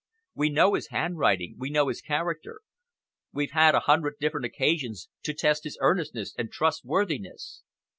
We know his handwriting, we know his character, we've had a hundred different occasions to test his earnestness and trustworthiness.